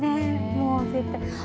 もう、絶対。